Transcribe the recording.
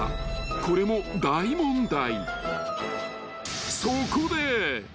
［これも大問題］